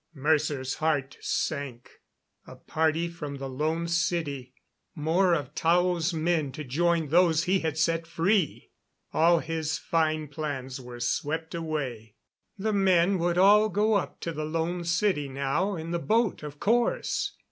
Mercer's heart sank. A party from the Lone City more of Tao's men to join those he had set free! All his fine plans were swept away. The men would all go up to the Lone City now in the boat, of course.